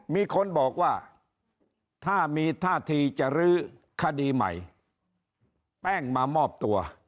มีคนบอกว่าถ้ามีท่าทีจะรื้อคดีใหม่แป้งมามอบตัว